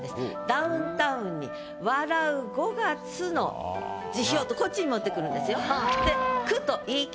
「ダウンタウンに笑う五月の辞表」とこっちに持ってくるんですよで「く」と言い切る。